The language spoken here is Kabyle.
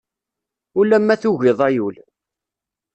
Ulamma tugid ay ul.